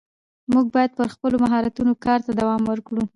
موږ باید پر خپلو مهارتونو کار ته دوام ورکړو